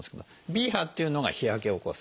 Ｂ波っていうのが日焼けを起こす。